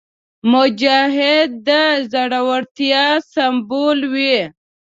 مجاهد د زړورتیا سمبول وي.